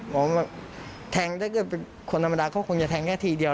เพราะว่าแทงถ้าเป็นคนธรรมดาเขาคงจะแทงแค่ทีเดียว